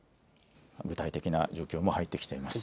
具体的な状況も入ってきています。